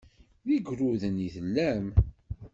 D igrudan i tellam.